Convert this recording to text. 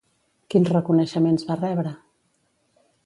Quins reconeixements va rebre?